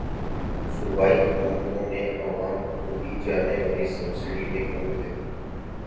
صوبائی حکومتوں نے عوام کو دی جانے والی سبسڈی میں کمی کردی